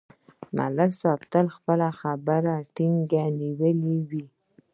ملک صاحب تل خپله خبره ټینګه نیولې وي